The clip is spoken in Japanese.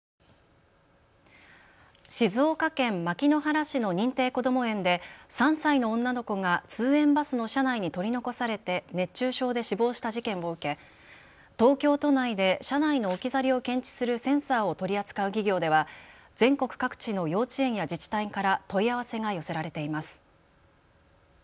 静岡県牧之原市の認定こども園で３歳の女の子が通園バスの車内に取り残されて熱中症で死亡した事件を受け東京都内で車内の置き去りを検知するセンサーを取り扱う企業では全国各地の幼稚園や自治体から問い合わせが寄せられています。